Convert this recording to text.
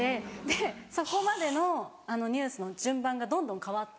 でそこまでのニュースの順番がどんどん変わって。